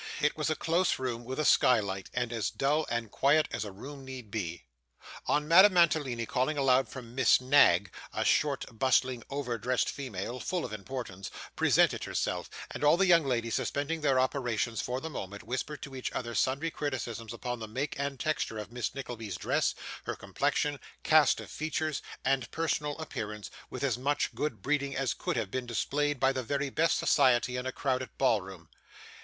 It was a close room with a skylight, and as dull and quiet as a room need be. On Madame Mantalini calling aloud for Miss Knag, a short, bustling, over dressed female, full of importance, presented herself, and all the young ladies suspending their operations for the moment, whispered to each other sundry criticisms upon the make and texture of Miss Nickleby's dress, her complexion, cast of features, and personal appearance, with as much good breeding as could have been displayed by the very best society in a crowded ball room.